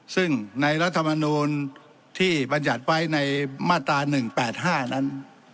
ซึ่งในรัฐมนูลที่บรรยัติไว้ในมาตรา๑๘๕นั้น